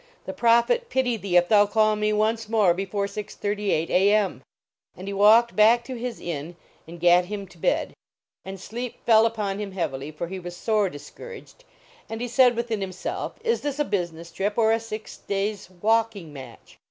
the prophet pit} thee if thou call me once more before 6: 38 \. M." And he walked bark to his inn and gat 229 THE LEGEND OF THE GOOD DRUMML II him to bed. And sleep fell upon him heav ily, for he was sore discouraged, and he said within himself, " Is this a business trip or a six days walking match?"